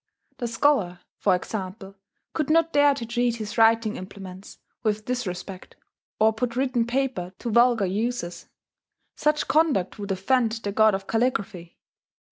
The scholar, for example, could not dare to treat his writing implements with disrespect, or put written paper to vulgar uses: such conduct would offend the god of calligraphy.